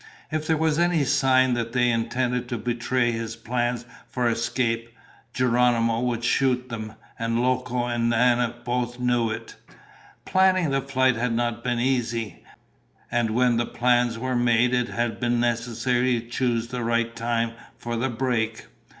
If there was any sign that they intended to betray his plans for escape, Geronimo would shoot them, and Loco and Nana both knew it. Planning the flight had not been easy. And when the plans were made it had been necessary to choose the right time for the break.